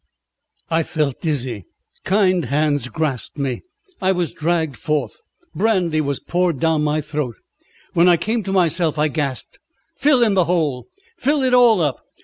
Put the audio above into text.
I felt dizzy. Kind hands grasped me. I was dragged forth. Brandy was poured down my throat. When I came to myself I gasped: "Fill in the hole! Fill it all up.